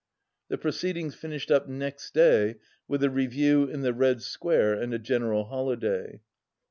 The proceedings finished up next day with a re view in the Red Square and a general holiday.